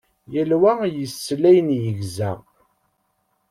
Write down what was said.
Yal wa yessel ayen yegza.